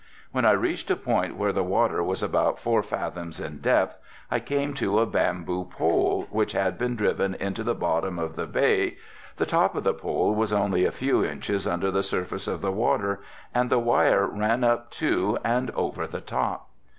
When reached a point where the water was about four fathoms in depth I came to a bamboo pole which had been driven into the bottom of the bay the top of the pole was only a few inches under the surface of the water and the wire ran up to and over the top.